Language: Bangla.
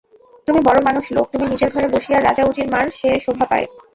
তুমি বড়ো-মানুষ লোক, তুমি নিজের ঘরে বসিয়া রাজা-উজির মার, সে শোভা পায়।